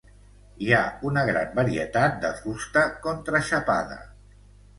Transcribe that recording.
Hi ha una gran varietat de fusta contraxapada.